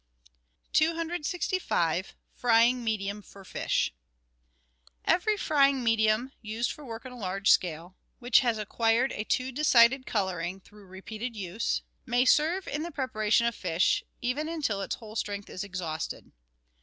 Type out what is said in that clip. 265— FRYING MEDIUM FOR FISH Every frying medium, used for work on a large scale, which has acquired a too decided colouring through repeated use, may serve in the preparation of fish even until its whole strength is exhausted.